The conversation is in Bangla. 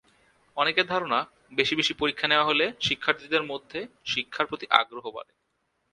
অনেকের ধারণা, বেশি বেশি পরীক্ষা নেওয়া হলে শিক্ষার্থীদের মধ্যে শিক্ষার প্রতি আগ্রহ বাড়ে।